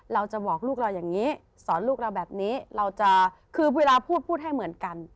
เราจะบอกลูกเราอย่างนี้สอนลูกเราแบบนี้เราจะคือเวลาพูดพูดให้เหมือนกัน